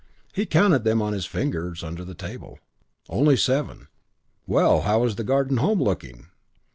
He counted them on his fingers under the table. Only seven: "Well, how was the Garden Home looking?"